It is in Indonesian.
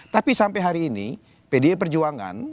tapi sampai hari ini pdi perjuangan